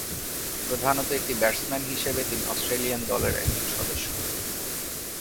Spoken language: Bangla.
প্রধানত একটি ব্যাটসম্যান হিসেবে তিনি অস্ট্রেলিয়ান দলের একজন সদস্য।